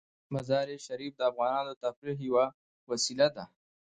مزارشریف د افغانانو د تفریح یوه وسیله ده.